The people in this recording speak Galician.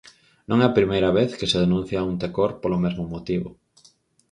Non é a primeira vez que se denuncia a un tecor polo mesmo motivo.